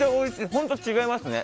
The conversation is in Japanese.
本当違いますね